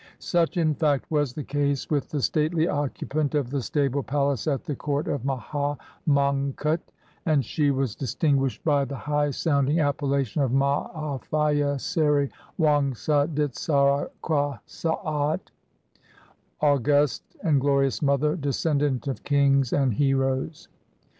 Such, in fact, was the case with the stately occupant of the stable palace at the court of Maha Mongkut; and she was distinguished by 265 SIAM the high sounding appellation of Maa Phya Seri Wong sah Ditsarah Krasaat, — "August and Glorious Mother, Descendant of Kings and Heroes."